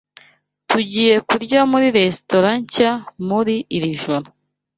Tugiye kurya muri resitora nshya muri iri joro.